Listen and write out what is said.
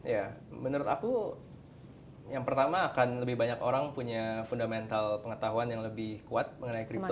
ya menurut aku yang pertama akan lebih banyak orang punya fundamental pengetahuan yang lebih kuat mengenai crypto